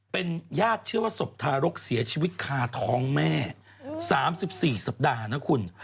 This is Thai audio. เป็นญาติเชื่อว่าศพทารกเสียชีวิตคาท้องแม่๓๔สัปดาห์นะคุณ